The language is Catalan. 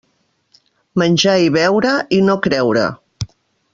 Menjar i beure, i no creure.